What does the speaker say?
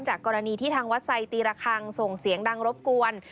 กรณีที่ทางวัดไซตีระคังส่งเสียงดังรบกวน